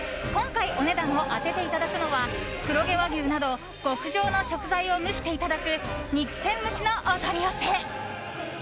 今回お値段を当てていただくのは黒毛和牛など極上の食材を蒸していただく肉鮮蒸しのお取り寄せ。